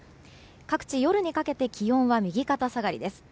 各地、夜にかけて気温は右肩下がりです。